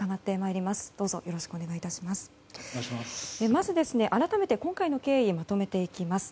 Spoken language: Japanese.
まず、改めて今回の経緯をまとめていきます。